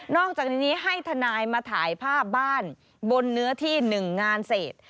อกจากนี้ให้ทนายมาถ่ายภาพบ้านบนเนื้อที่๑งานเศษ